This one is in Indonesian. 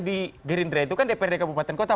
di gerindra itu kan dprd kabupaten kota